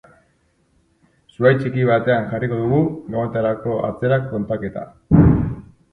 Zuhaitz txiki batean jarriko dugu gabonetarako atzera kontaketa.